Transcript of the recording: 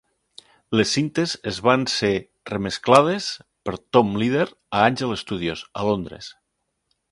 Les cintes es van ser remesclades per Tom Leader a Angel Studios, a Londres.